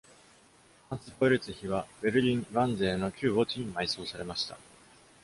ハンス・ポエルツィヒはベルリン・ヴァンゼーの旧墓地に埋葬されました。